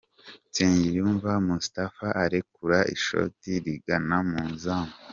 Nsengiyumva Moustapha arekura ishoti rigana mu izamu.